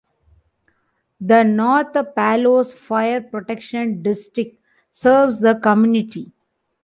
The North Palos Fire Protection District serves the community.